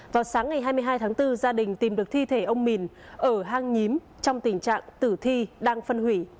vào sáng ngày hai mươi hai tháng bốn gia đình tìm được thi thể ông mìn ở hang nhím trong tình trạng tử thi đang phân hủy